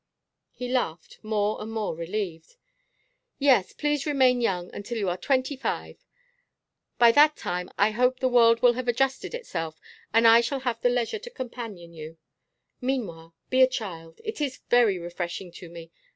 He laughed, more and more relieved. "Yes, please remain young until you are twenty five. By that time I hope the world will have adjusted itself and I shall have the leisure to companion you. Meanwhile, be a child. It is very refreshing to me.